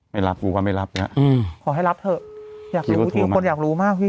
ไม่รับกูก็ไม่รับเนี้ยอืมขอให้รับเถอะอยากรู้จริงคนอยากรู้มากพี่